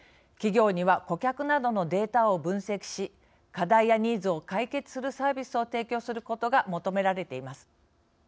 企業には顧客などのデータを分析し課題やニーズを解決するサービスを提供することが求められています。